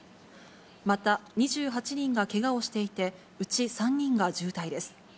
また、２８人がけがをしていて、うち３人が重体です。